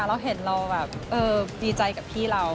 เราเห็นเราแบบดีใจกับพี่เรา